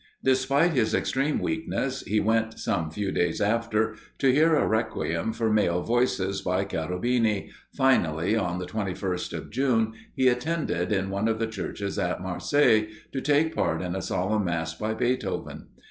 Despite his extreme weakness, he went, some few days after, to hear a requiem for male voices, by Cherubini, finally, on the 21st of June, he attended in one of the churches at Marseilles, to take part in a solemn mass by Beethoven.